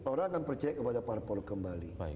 orang akan percaya kepada parpol kembali